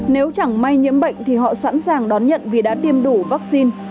nếu chẳng may nhiễm bệnh thì họ sẵn sàng đón nhận vì đã tiêm đủ vaccine